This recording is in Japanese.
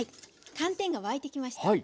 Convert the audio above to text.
寒天が沸いてきました。